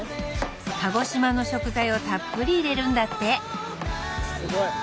鹿児島の食材をたっぷり入れるんだってすごい！